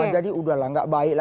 jadi udahlah enggak baik